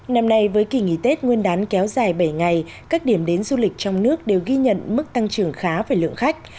năm nay với kỳ nghỉ tết nguyên đán kéo dài bảy ngày các điểm đến du lịch trong nước đều ghi nhận mức tăng trưởng khá về lượng khách